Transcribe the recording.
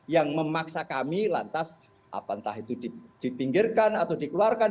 yang memaksa kami lantas apa entah itu dipinggirkan atau dikeluarkan